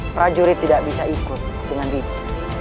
prajurit tidak bisa ikut dengan diri